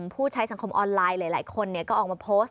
ผู้ใช้สังคมออนไลน์หลายคนก็ออกมาโพสต์